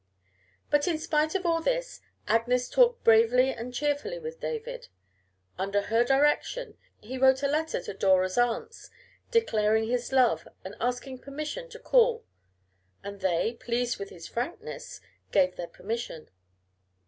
But in spite of all this, Agnes talked bravely and cheerfully with David. Under her direction, he wrote a letter to Dora's aunts, declaring his love and asking permission to call, and they, pleased with his frankness, gave their permission.